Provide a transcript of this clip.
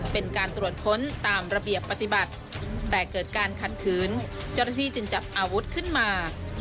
เป็นการตรวจค้นตามระเบียบปฏิบัติแต่เกิดการขัดขืนเจ้าหน้าที่จึงจับอาวุธขึ้นมา